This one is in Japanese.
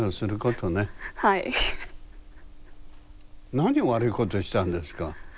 何を悪いことしたんですか。